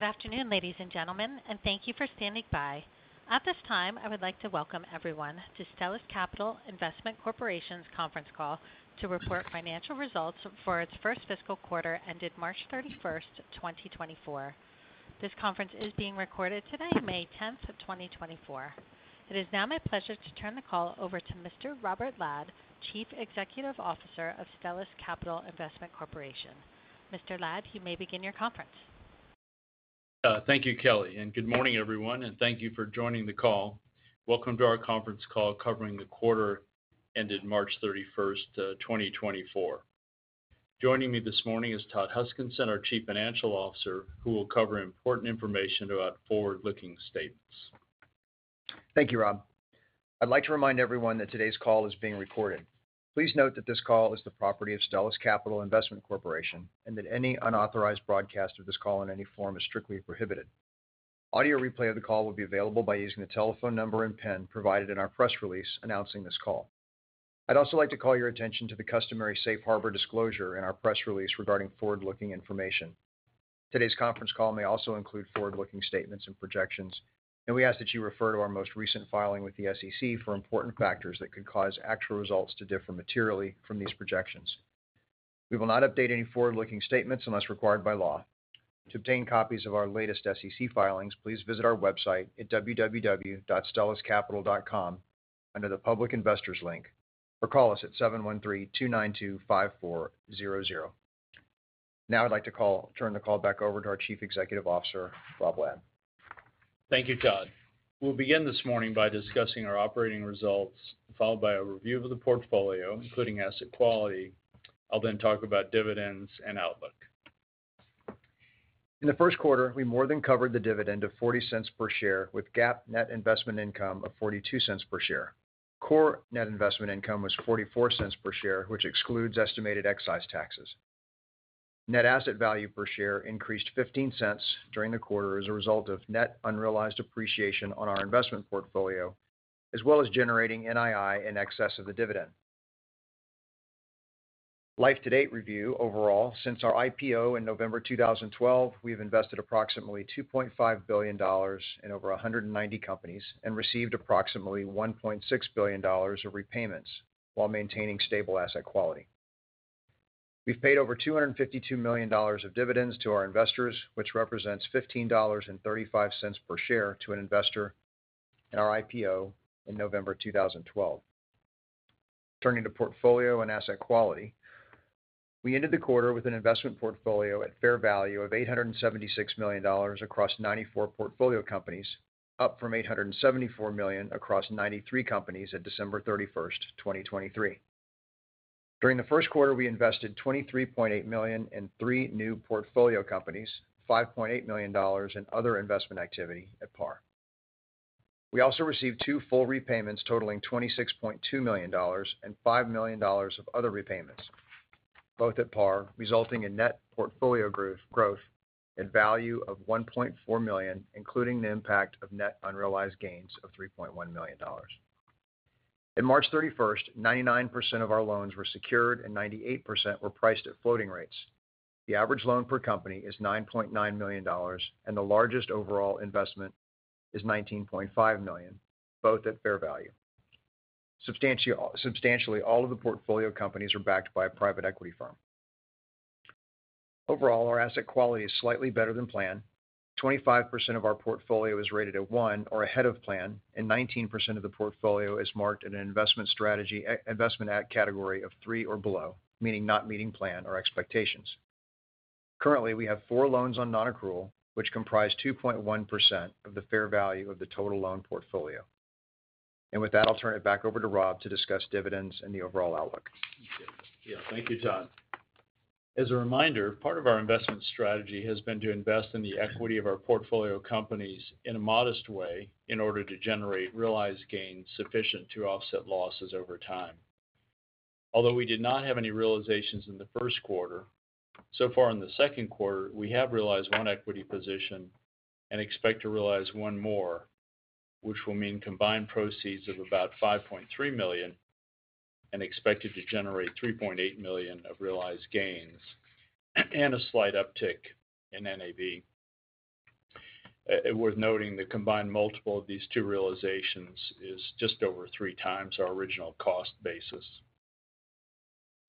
Good afternoon, ladies and gentlemen, and thank you for standing by. At this time, I would like to welcome everyone to Stellus Capital Investment Corporation's Conference Call to report financial results for its first fiscal quarter ended March 31st, 2024. This conference is being recorded today, May 10th, 2024. It is now my pleasure to turn the call over to Mr. Robert Ladd, Chief Executive Officer of Stellus Capital Investment Corporation. Mr. Ladd, you may begin your conference. Thank you, Kelly, and good morning, everyone, and thank you for joining the call. Welcome to our conference call covering the quarter ended March 31st, 2024. Joining me this morning is Todd Huskinson, our Chief Financial Officer, who will cover important information about forward-looking statements. Thank you, Rob. I'd like to remind everyone that today's call is being recorded. Please note that this call is the property of Stellus Capital Investment Corporation and that any unauthorized broadcast of this call in any form is strictly prohibited. Audio replay of the call will be available by using the telephone number and PIN provided in our press release announcing this call. I'd also like to call your attention to the customary Safe Harbor disclosure in our press release regarding forward-looking information. Today's conference call may also include forward-looking statements and projections, and we ask that you refer to our most recent filing with the SEC for important factors that could cause actual results to differ materially from these projections. We will not update any forward-looking statements unless required by law. To obtain copies of our latest SEC filings, please visit our website at www.stelluscapital.com under the Public Investors link, or call us at 713-292-5400. Now I'd like to turn the call back over to our Chief Executive Officer, Rob Ladd. Thank you, Todd. We'll begin this morning by discussing our operating results, followed by a review of the portfolio, including asset quality. I'll then talk about dividends and outlook. In the first quarter, we more than covered the dividend of $0.40 per share with GAAP net investment income of $0.42 per share. Core net investment income was $0.44 per share, which excludes estimated excise taxes. Net asset value per share increased $0.15 during the quarter as a result of net unrealized appreciation on our investment portfolio, as well as generating NII in excess of the dividend. Life-to-date review overall: since our IPO in November 2012, we've invested approximately $2.5 billion in over 190 companies and received approximately $1.6 billion of repayments while maintaining stable asset quality. We've paid over $252 million of dividends to our investors, which represents $15.35 per share to an investor in our IPO in November 2012. Turning to portfolio and asset quality: we ended the quarter with an investment portfolio at fair value of $876 million across 94 portfolio companies, up from $874 million across 93 companies at December 31st, 2023. During the first quarter, we invested $23.8 million in three new portfolio companies, $5.8 million in other investment activity at par. We also received two full repayments totaling $26.2 million and $5 million of other repayments, both at par, resulting in net portfolio growth at value of $1.4 million, including the impact of net unrealized gains of $3.1 million. At March 31st, 99% of our loans were secured and 98% were priced at floating rates. The average loan per company is $9.9 million, and the largest overall investment is $19.5 million, both at fair value. Substantially all of the portfolio companies are backed by a private equity firm. Overall, our asset quality is slightly better than planned. 25% of our portfolio is rated a one or ahead of plan, and 19% of the portfolio is marked in an investment strategy investment at category of three or below, meaning not meeting plan or expectations. Currently, we have 4 loans on non-accrual, which comprise 2.1% of the fair value of the total loan portfolio. With that, I'll turn it back over to Rob to discuss dividends and the overall outlook. Yeah, thank you, Todd. As a reminder, part of our investment strategy has been to invest in the equity of our portfolio companies in a modest way in order to generate realized gains sufficient to offset losses over time. Although we did not have any realizations in the first quarter, so far in the second quarter, we have realized one equity position and expect to realize one more, which will mean combined proceeds of about $5.3 million and expected to generate $3.8 million of realized gains and a slight uptick in NAV. Worth noting, the combined multiple of these two realizations is just over 3x our original cost basis.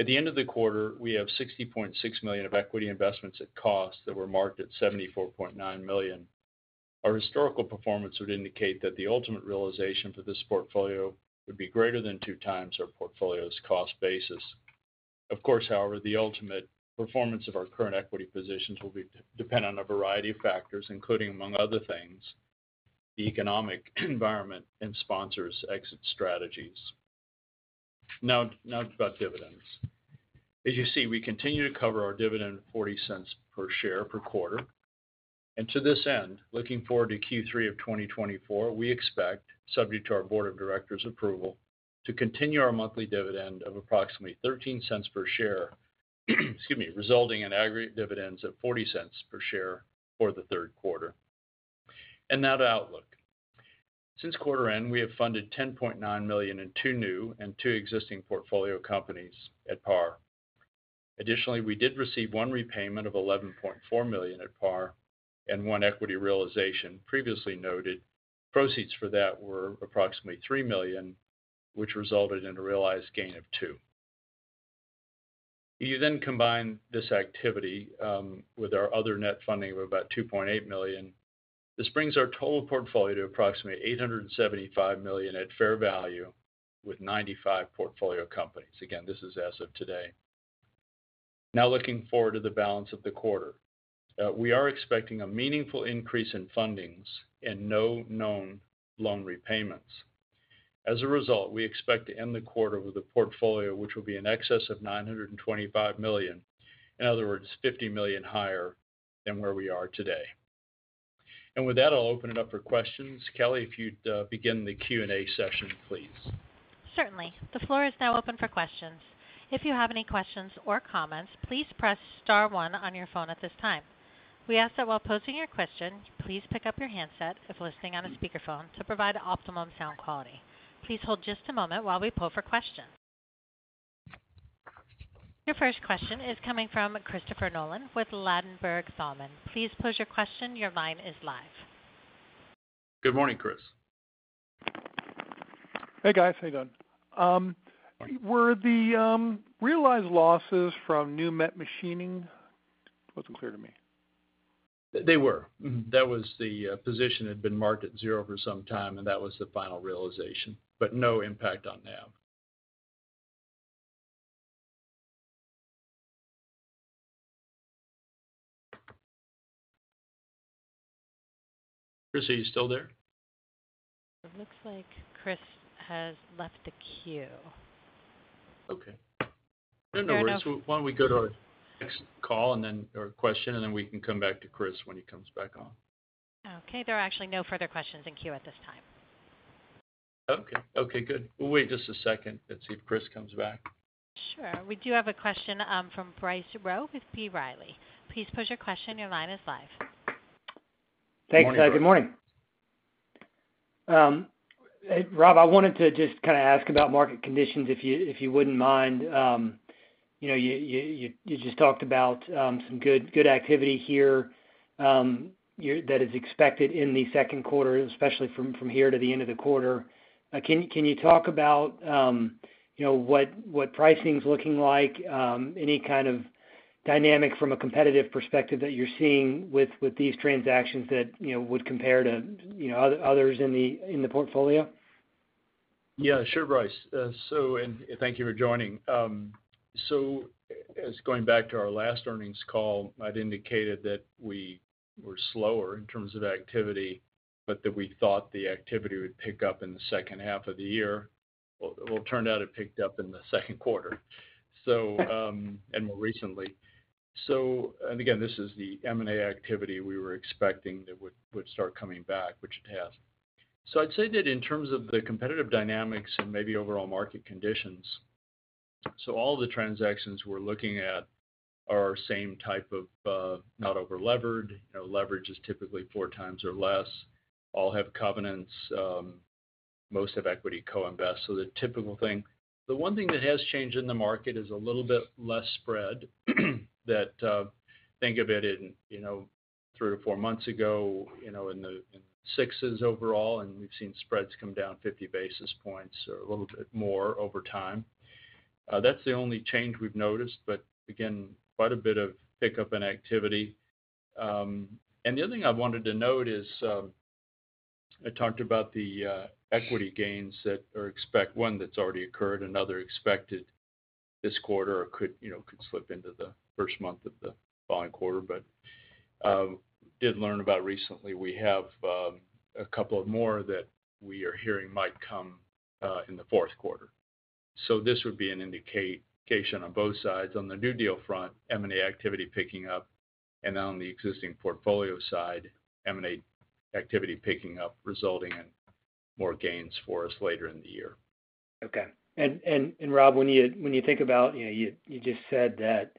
At the end of the quarter, we have $60.6 million of equity investments at cost that were marked at $74.9 million. Our historical performance would indicate that the ultimate realization for this portfolio would be greater than 2x our portfolio's cost basis. Of course, however, the ultimate performance of our current equity positions will depend on a variety of factors, including, among other things, the economic environment and sponsors' exit strategies. Now about dividends. As you see, we continue to cover our dividend of $0.40 per share per quarter. And to this end, looking forward to Q3 of 2024, we expect, subject to our board of directors' approval, to continue our monthly dividend of approximately $0.13 per share, excuse me, resulting in aggregate dividends at $0.40 per share for the third quarter. And now to outlook. Since quarter end, we have funded $10.9 million in 2 new and 2 existing portfolio companies at par. Additionally, we did receive one repayment of $11.4 million at par and one equity realization previously noted. Proceeds for that were approximately $3 million, which resulted in a realized gain of two. If you then combine this activity with our other net funding of about $2.8 million, this brings our total portfolio to approximately $875 million at fair value with 95 portfolio companies. Again, this is as of today. Now looking forward to the balance of the quarter, we are expecting a meaningful increase in fundings and no known loan repayments. As a result, we expect to end the quarter with a portfolio which will be in excess of $925 million, in other words, $50 million higher than where we are today. With that, I'll open it up for questions. Kelly, if you'd begin the Q&A session, please. Certainly. The floor is now open for questions. If you have any questions or comments, please press star one on your phone at this time. We ask that while posing your question, you please pick up your handset if listening on a speakerphone to provide optimum sound quality. Please hold just a moment while we pull for questions. Your first question is coming from Christopher Nolan with Ladenburg Thalmann. Please pose your question. Your line is live. Good morning, Chris. Hey, guys. How you doing? Were the realized losses from Numet Machining wasn't clear to me. They were. That was the position had been marked at zero for some time, and that was the final realization, but no impact on now. Chris, are you still there? It looks like Chris has left the queue. Okay. No, no, Chris. Why don't we go to our next call and then our question, and then we can come back to Chris when he comes back on. Okay. There are actually no further questions in queue at this time. Okay. Okay, good. We'll wait just a second and see if Chris comes back. Sure. We do have a question from Bryce Rowe with B. Riley. Please pose your question. Your line is live. Morning, Todd. Good morning. Rob, I wanted to just kind of ask about market conditions if you wouldn't mind. You just talked about some good activity here that is expected in the second quarter, especially from here to the end of the quarter. Can you talk about what pricing's looking like, any kind of dynamic from a competitive perspective that you're seeing with these transactions that would compare to others in the portfolio? Yeah, sure, Bryce. And thank you for joining. So going back to our last earnings call, I'd indicated that we were slower in terms of activity, but that we thought the activity would pick up in the second half of the year. Well, it turned out it picked up in the second quarter and more recently. And again, this is the M&A activity we were expecting that would start coming back, which it has. So I'd say that in terms of the competitive dynamics and maybe overall market conditions, so all of the transactions we're looking at are same type of not over-levered. Leverage is typically 4x or less. All have covenants. Most have equity co-invest. So the typical thing the one thing that has changed in the market is a little bit less spread. Think of it in three or four months ago in the sixes overall, and we've seen spreads come down 50 basis points or a little bit more over time. That's the only change we've noticed, but again, quite a bit of pickup in activity. The other thing I wanted to note is I talked about the equity gains that are expect one that's already occurred, another expected this quarter or could slip into the first month of the following quarter. But did learn about recently. We have a couple of more that we are hearing might come in the fourth quarter. So this would be an indication on both sides. On the new deal front, M&A activity picking up. Then on the existing portfolio side, M&A activity picking up, resulting in more gains for us later in the year. Okay. And Rob, when you think about, you just said that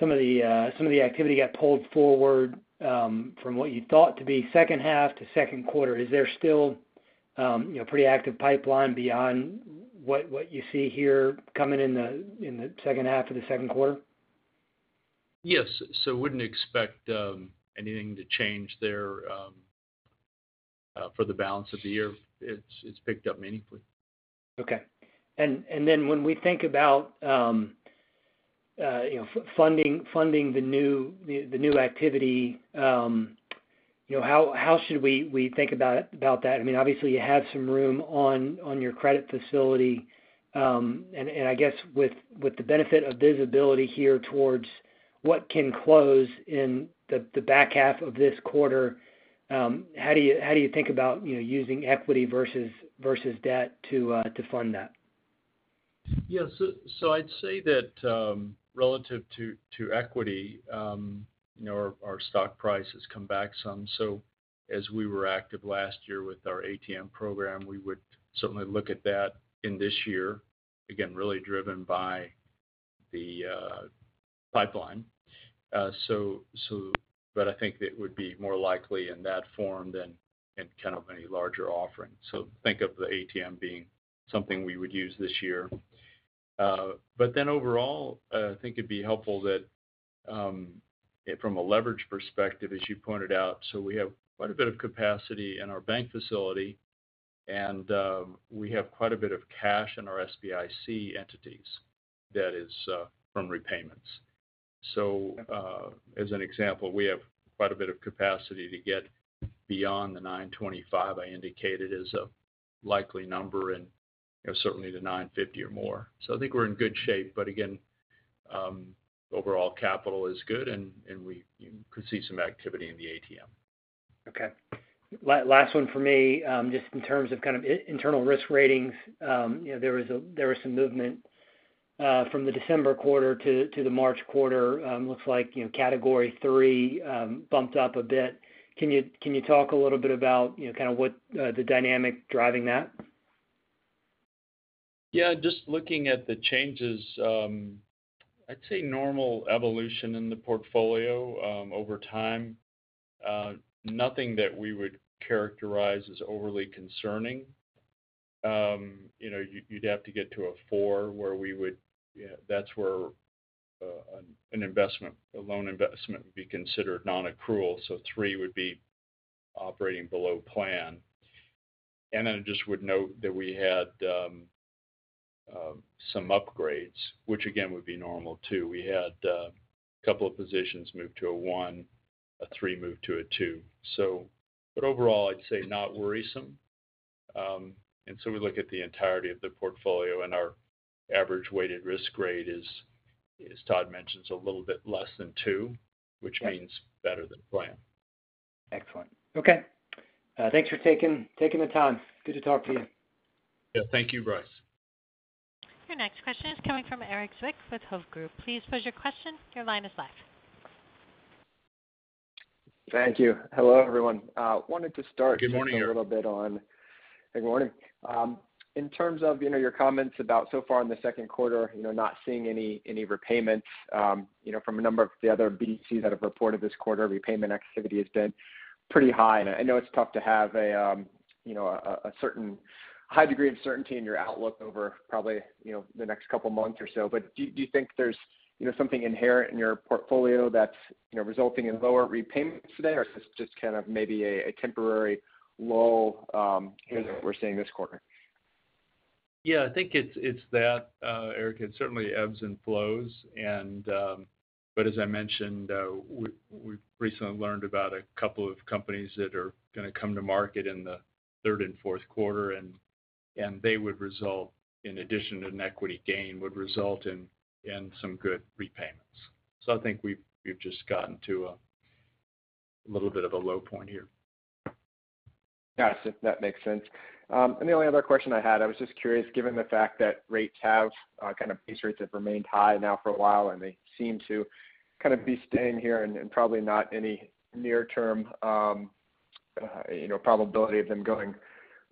some of the activity got pulled forward from what you thought to be second half to second quarter. Is there still a pretty active pipeline beyond what you see here coming in the second half of the second quarter? Yes. So I wouldn't expect anything to change there for the balance of the year. It's picked up meaningfully. Okay. And then when we think about funding the new activity, how should we think about that? I mean, obviously, you have some room on your credit facility. And I guess with the benefit of visibility here towards what can close in the back half of this quarter, how do you think about using equity versus debt to fund that? Yeah. So I'd say that relative to equity, our stock price has come back some. So as we were active last year with our ATM program, we would certainly look at that in this year, again, really driven by the pipeline. But I think that would be more likely in that form than in kind of any larger offering. So think of the ATM being something we would use this year. But then overall, I think it'd be helpful that from a leverage perspective, as you pointed out, so we have quite a bit of capacity in our bank facility, and we have quite a bit of cash in our SBIC entities that is from repayments. So as an example, we have quite a bit of capacity to get beyond the 925 I indicated as a likely number and certainly to 950 or more. So I think we're in good shape. But again, overall, capital is good, and we could see some activity in the ATM. Okay. Last one for me, just in terms of kind of internal risk ratings, there was some movement from the December quarter to the March quarter. Looks like category three bumped up a bit. Can you talk a little bit about kind of what the dynamic driving that? Yeah. Just looking at the changes, I'd say normal evolution in the portfolio over time. Nothing that we would characterize as overly concerning. You'd have to get to a four where we would that's where a loan investment would be considered non-accrual. So three would be operating below plan. And then I just would note that we had some upgrades, which again would be normal too. We had a couple of positions moved to a one, a three moved to a two. But overall, I'd say not worrisome. And so we look at the entirety of the portfolio, and our average weighted risk grade is, as Todd mentions, a little bit less than two, which means better than plan. Excellent. Okay. Thanks for taking the time. Good to talk to you. Yeah. Thank you, Bryce. Your next question is coming from Erik Zwick with Hovde Group. Please pose your question. Your line is live. Thank you. Hello, everyone. Wanted to start. Good morning, everyone. Just a little bit on good morning. In terms of your comments about so far in the second quarter, not seeing any repayments from a number of the other BDCs that have reported this quarter, repayment activity has been pretty high. And I know it's tough to have a certain high degree of certainty in your outlook over probably the next couple of months or so. But do you think there's something inherent in your portfolio that's resulting in lower repayments today, or is this just kind of maybe a temporary lull here that we're seeing this quarter? Yeah. I think it's that, Erik. It certainly ebbs and flows. But as I mentioned, we've recently learned about a couple of companies that are going to come to market in the third and fourth quarter, and they would result in addition to an equity gain would result in some good repayments. So I think we've just gotten to a little bit of a low point here. Got it. That makes sense. The only other question I had, I was just curious, given the fact that base rates have remained high now for a while, and they seem to kind of be staying here and probably not any near-term probability of them going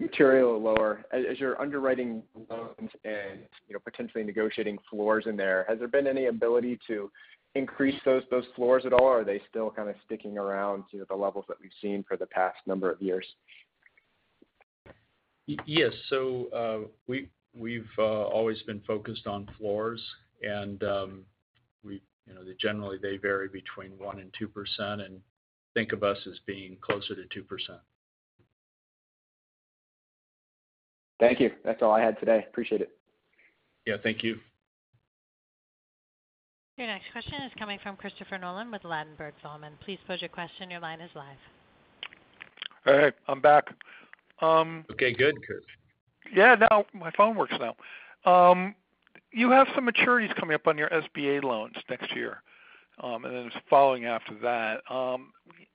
material lower, as you're underwriting loans and potentially negotiating floors in there, has there been any ability to increase those floors at all, or are they still kind of sticking around the levels that we've seen for the past number of years? Yes. So we've always been focused on floors, and generally, they vary between 1%-2% and think of us as being closer to 2%. Thank you. That's all I had today. Appreciate it. Yeah. Thank you. Your next question is coming from Christopher Nolan with Ladenburg Thalmann. Please pose your question. Your line is live. Hey. I'm back. Okay. Good, Chris. Yeah. No. My phone works now. You have some maturities coming up on your SBA loans next year, and then it's following after that.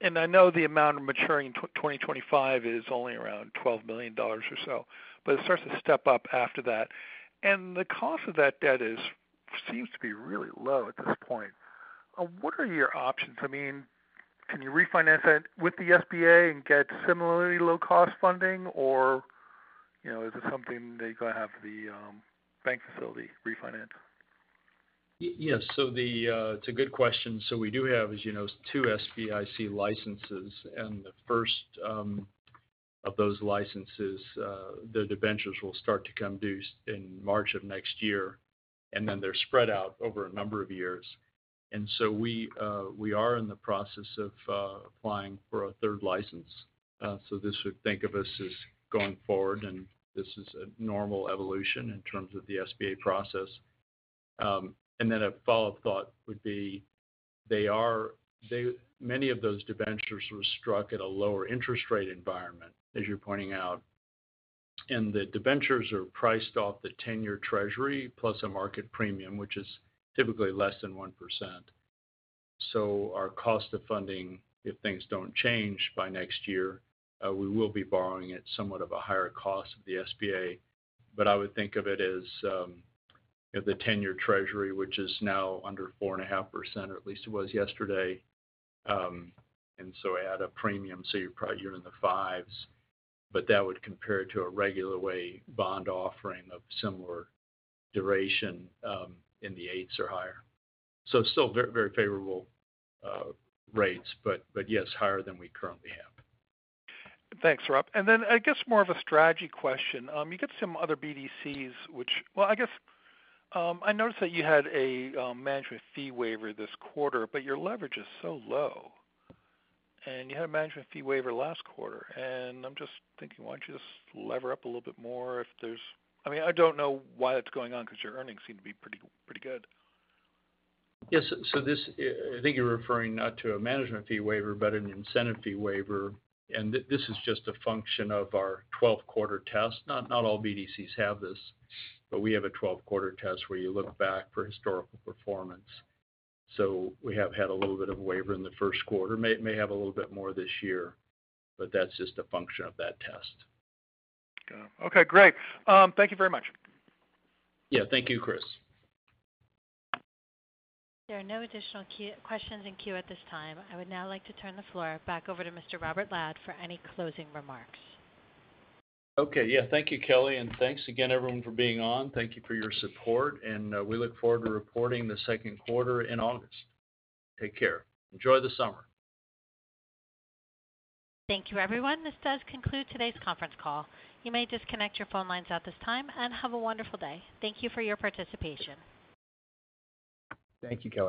And I know the amount of maturing in 2025 is only around $12 million or so, but it starts to step up after that. And the cost of that debt seems to be really low at this point. What are your options? I mean, can you refinance it with the SBA and get similarly low-cost funding, or is it something they're going to have the bank facility refinance? Yes. So it's a good question. So we do have, as you know, 2 SBIC licenses. And the first of those licenses, their debentures will start to come due in March of next year, and then they're spread out over a number of years. And so we are in the process of applying for a third license. So this would think of us as going forward, and this is a normal evolution in terms of the SBA process. And then a follow-up thought would be many of those debentures were struck at a lower interest rate environment, as you're pointing out. And the debentures are priced off the 10-year Treasury plus a market premium, which is typically less than 1%. So our cost of funding, if things don't change by next year, we will be borrowing at somewhat of a higher cost of the SBA. But I would think of it as the 10-year Treasury, which is now under 4.5%, or at least it was yesterday. And so add a premium, so you're probably in the fives. But that would compare it to a regular-way bond offering of similar duration in the eights or higher. So still very favorable rates, but yes, higher than we currently have. Thanks, Rob. And then I guess more of a strategy question. You get some other BDCs, which, well, I guess I noticed that you had a management fee waiver this quarter, but your leverage is so low. And you had a management fee waiver last quarter. And I'm just thinking, why don't you just lever up a little bit more if there's, I mean, I don't know why that's going on because your earnings seem to be pretty good. Yes. So I think you're referring not to a management fee waiver, but an incentive fee waiver. And this is just a function of our 12-Quarter Test. Not all BDCs have this, but we have a 12-Quarter Test where you look back for historical performance. So we have had a little bit of waiver in the first quarter. May have a little bit more this year, but that's just a function of that test. Got it. Okay. Great. Thank you very much. Yeah. Thank you, Chris. There are no additional questions in queue at this time. I would now like to turn the floor back over to Mr. Robert Ladd for any closing remarks. Okay. Yeah. Thank you, Kelly. And thanks again, everyone, for being on. Thank you for your support. And we look forward to reporting the second quarter in August. Take care. Enjoy the summer. Thank you, everyone. This does conclude today's conference call. You may disconnect your phone lines at this time and have a wonderful day. Thank you for your participation. Thank you, Kelly.